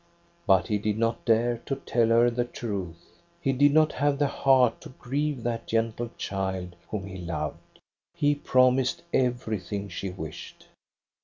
But he did not dare to tell her the truth. He did not have the heart to grieve that gentle child whom he loved. He promised everything she wished.